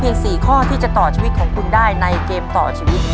๔ข้อที่จะต่อชีวิตของคุณได้ในเกมต่อชีวิต